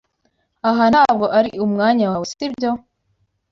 Aha ntabwo ari umwanya wawe, si byo?